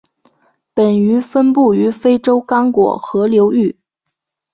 本鱼分布于非洲刚果河流域。